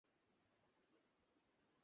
এটা ওদের নতুন অস্ত্র।